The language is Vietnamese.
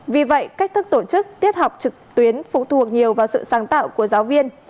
vì vậy cách thức tổ chức tiết học trực tuyến phụ thuộc nhiều vào sự sáng tạo của giáo viên